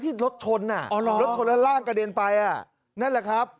รถชนอ่ะอ๋อเหรอรถชนแล้วร่างกระเด็นไปอ่ะนั่นแหละครับ